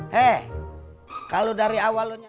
hei kalau dari awalnya